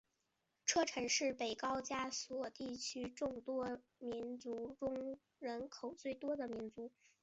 车臣人是北高加索地区众多民族中人口最多的民族。